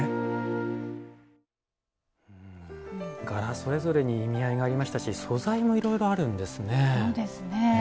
柄それぞれに意味合いがありましたし素材もいろいろあるんですね。